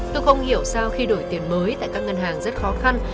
tôi không hiểu sao khi đổi tiền mới tại các ngân hàng rất khó khăn